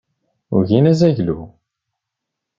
Ugin azaglu.